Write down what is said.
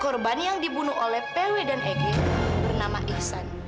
korban yang dibunuh oleh pw dan eg bernama ihsan